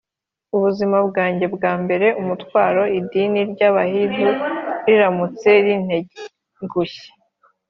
ubuzima bwanjye bwambera umutwaro idini ry’abahindu riramutse rintengushye.